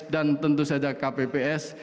dan tentu saja kpps